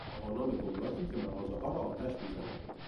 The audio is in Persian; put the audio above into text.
جوانان گمراهی که مغازهها را آتش میزنند.